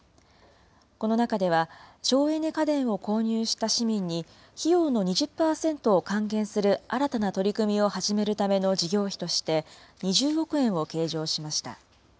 この中では、省エネ家電を購入した市民に、費用の２０％を還元する新たな取り組みを始めるための事業費として、２０億円を計上しました。